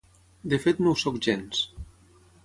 De fet no ho soc gens